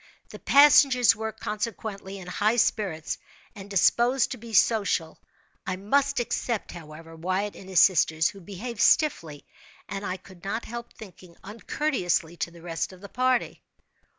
The passengers were, consequently, in high spirits and disposed to be social. I must except, however, Wyatt and his sisters, who behaved stiffly, and, I could not help thinking, uncourteously to the rest of the party.